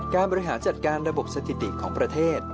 บริหารจัดการระบบสถิติของประเทศ